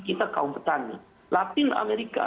kita kaum petani latin amerika